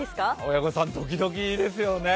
親御さんドキドキですよね。